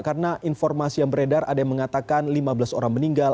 karena informasi yang beredar ada yang mengatakan lima belas orang meninggal